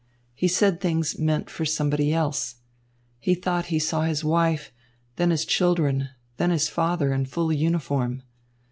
He said things meant for somebody else. He thought he saw his wife, then his children, and then his father in full uniform.